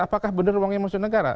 apakah benar uangnya musuh negara